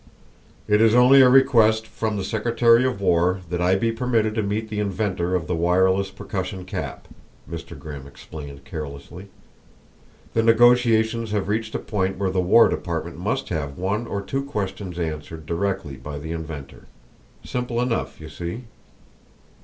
"It is only a request from the secretary of war that I be permitted to meet the inventor of the wireless percussion cap," Mr. Grimm explained carelessly. "The negotiations have reached a point where the War Department must have one or two questions answered directly by the inventor. Simple enough, you see."